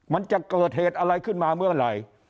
มันจะเกิดเหตุอะไรขึ้นมาเมื่อไหร่